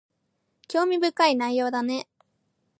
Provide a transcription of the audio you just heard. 興味深い内容だね